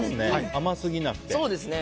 甘すぎなくて。